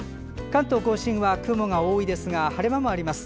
関東・甲信は雲が多いですが晴れ間もあります。